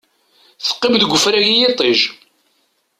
Teqqim deg ufrag i yiṭij.